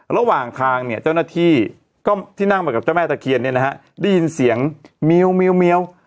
ระหว่างทางเจ้าหน้าที่ที่นั่งมากับเจ้าแม่ตะเคียนได้ยินเสียงเมียว